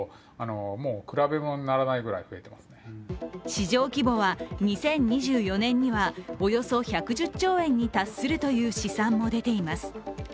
市場規模は２０２４年にはおよそ１１０兆円に達するという試算も出ています。